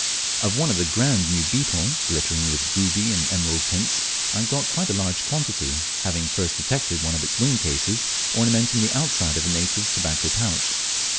Of one grand new beetle, glittering with ruby and emerald tints, I got a large quantity, having first detected one of its wing cases ornamenting the outside of a native's tobacco pouch.